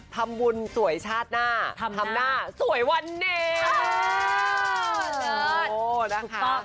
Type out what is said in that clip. ทำวุนสวยชาติหน้าทำหน้าสวยวันนี้โอ้โฮโอ้โฮนะคะ